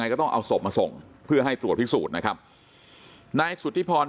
ก็ต้องเอาศพมาส่งเพื่อให้ตรวจพิสูจน์นะครับนายสุธิพร